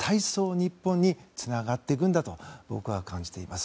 日本につながっていくんだと僕は感じています。